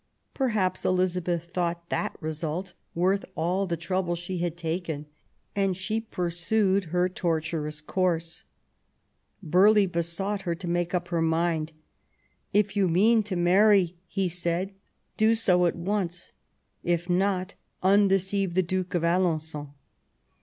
Perhaps Elizabeth thought that result worth all the trouble she had taken ; and she pursued her tortuous course. THE ALENQON MARRIAGE. 175 Burghley besought her to make up her mind. " If you mean to marry," he said, " do so at once ; if not, undeceive the Duke of Alen9on.